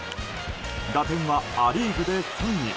打点はア・リーグで３位。